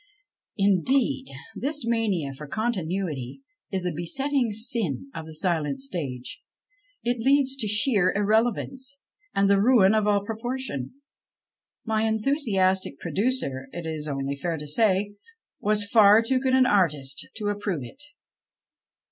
Indeed, this mania for continuity is a besetting sin of the " silent stage "; it leads to sheer irrelevance and the ruin of all proportion. My enthusiastic producer, it is only fair to say, was far too good an artist to approve it.